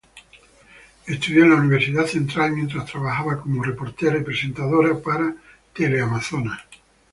Estudió en la Universidad Central mientras trabajaba como reportera y presentadora para Teleamazonas.